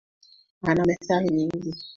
Ana methali nyingi.